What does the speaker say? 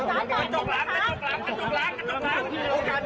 ให้ด้วยครับแล้วก็ลาก่อนได้ครับ